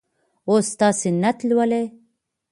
اوس تاسې نعت لولئ.